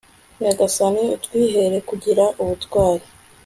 nyagasani utwihere kugira ubutwari